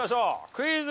クイズ。